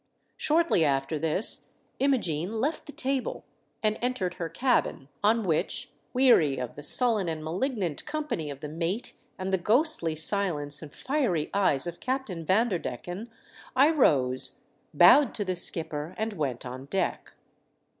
Shortly after this Imogene left the table and entered her cabin, on which, weary of the sullen and malignant company of the mate and the ghostly silence and fiery eyes of Captain Vanderdecken, I rose, bowed to the skipper, and went on deck.